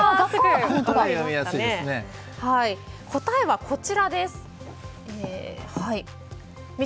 答えは、こちらです。